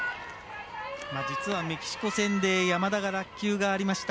実はメキシコ戦で山田が落球がありました。